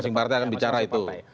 masing masing partai akan bicara itu